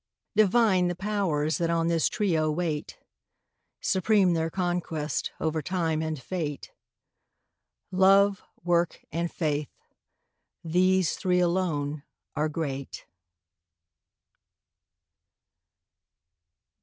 Divine the Powers that on this trio wait. Supreme their conquest, over Time and Fate. Love, Work, and Faith—these three alone are great.